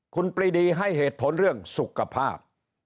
คุณปรีดีให้เหตุผลเรื่องสุขภาพ